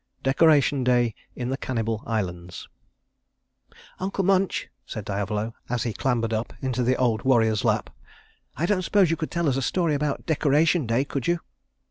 _] IX DECORATION DAY IN THE CANNIBAL ISLANDS "Uncle Munch," said Diavolo as he clambered up into the old warrior's lap, "I don't suppose you could tell us a story about Decoration Day could you?"